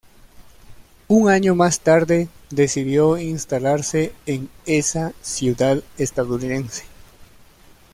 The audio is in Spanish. Un año más tarde, decidió instalarse en esa ciudad estadounidense.